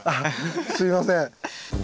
すいません。